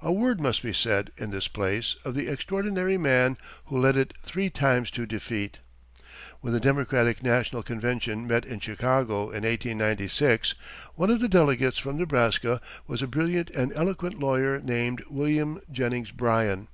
A word must be said, in this place, of the extraordinary man who led it three times to defeat. When the Democratic national convention met in Chicago in 1896, one of the delegates from Nebraska was a brilliant and eloquent lawyer named William Jennings Bryan.